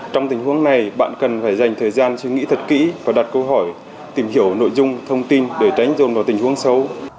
trong tình huống này bạn cần phải dành thời gian suy nghĩ thật kỹ và đặt câu hỏi tìm hiểu nội dung thông tin để tránh dồn vào tình huống xấu